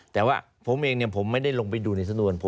แต่ว่าผมเองผมไม่ได้ลงไปดูในสำนวน